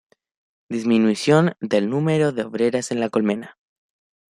Disminución del número de obreras en la colmena.